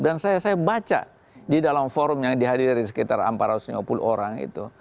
dan saya baca di dalam forum yang dihadiri sekitar empat ratus lima puluh orang itu